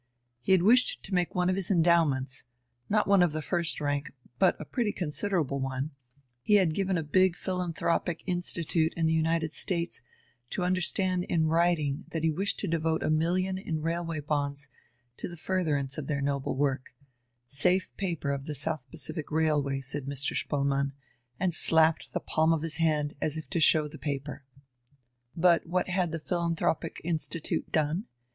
He had wished to make one of his endowments not one of the first rank, but a pretty considerable one he had given a big philanthropic institute in the United States to understand in writing that he wished to devote a million in railway bonds to the furtherance of their noble work safe paper of the South Pacific Railway, said Mr. Spoelmann, and slapped the palm of his hand, as if to show the paper. But what had the philanthropic institute done?